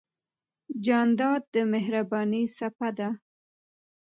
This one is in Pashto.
جانداد د مهربانۍ څپه ده.